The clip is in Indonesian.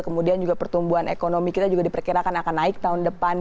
kemudian juga pertumbuhan ekonomi kita juga diperkirakan akan naik tahun depan